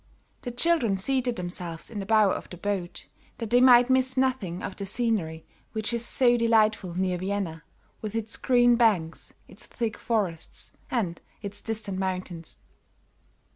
The children seated themselves in the bow of the boat that they might miss nothing of the scenery which is so delightful near Vienna, with its green banks, its thick forests and its distant mountains.